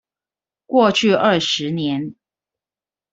過去二十年